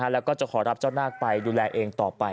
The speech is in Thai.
แล้วก็จะขอรับเจ้านาคไปดูแลเองต่อไป